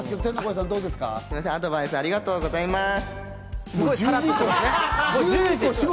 アドバイス、ありがとうございます！